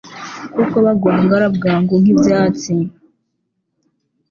kuko bagwangara bwangu nk’ibyatsi